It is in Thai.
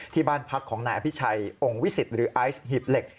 ที่บ้านพักของนายอภิชัยองค์วิสิตหรือไอซ์หีบเหล็ก